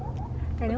pertama sekali kan